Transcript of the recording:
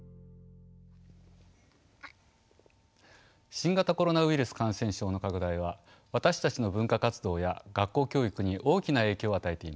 新型コロナウイルス感染症の拡大は私たちの文化活動や学校教育に大きな影響を与えています。